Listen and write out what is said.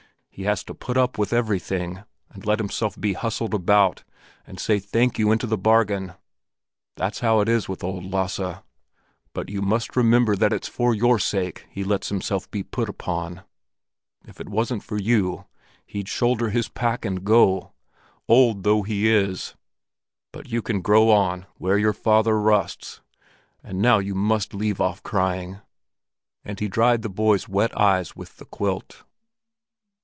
He has to put up with everything, and let himself be hustled about—and say thank you into the bargain—that's how it is with old Lasse. But you must remember that it's for your sake he lets himself be put upon. If it wasn't for you, he'd shoulder his pack and go—old though he is. But you can grow on where your father rusts. And now you must leave off crying!" And he dried the boy's wet eyes with the quilt.